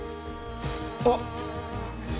あっ！